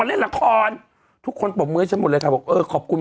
เล่นละครทุกคนปรบมือให้ฉันหมดเลยค่ะบอกเออขอบคุณ